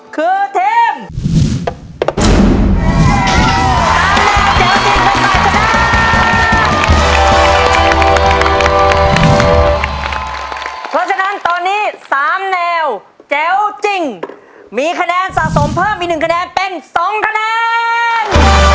เพราะฉะนั้นตอนนี้๓แนวแจ๋วจริงมีคะแนนสะสมเพิ่มอีก๑คะแนนเป็น๒คะแนน